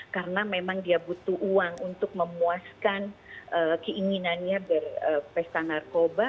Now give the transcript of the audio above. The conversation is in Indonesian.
karena memang dia butuh uang untuk memuaskan keinginannya berpesta narkoba